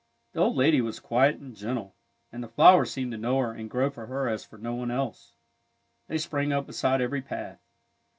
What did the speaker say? The old lady was quiet and gentle, and the flowers seemed to know her and grow for her as for no one else. They sprang up beside every path.